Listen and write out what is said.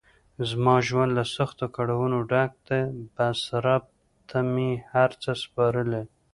زما ژوند له سختو کړاونو ډګ ده بس رب ته مې هر څه سپارلی.